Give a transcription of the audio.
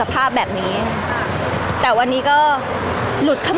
พี่ตอบได้แค่นี้จริงค่ะ